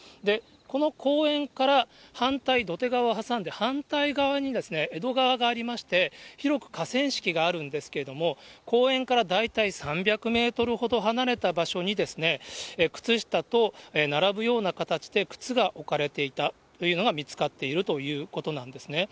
この公園から反対、土手側を挟んで反対側に江戸川がありまして、広く河川敷があるんですけども、公園から大体３００メートルほど離れた場所に、靴下と並ぶような形で、靴が置かれていたというのが見つかっているということなんですね。